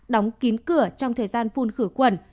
đóng kín cửa trong thời gian phun khử khuẩn